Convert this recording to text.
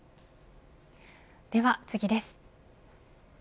では次です。